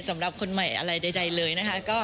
สำหรับคนใหม่อะไรใดเลยนะคะ